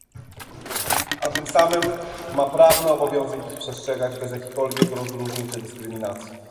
A tym samym ma prawny obowiązek ich przestrzegać, bez jakichkolwiek rozróżnień czy dyskryminacji